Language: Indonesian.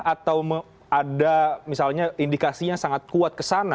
atau ada misalnya indikasinya sangat kuat ke sana